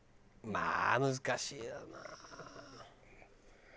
まあ難しいよな。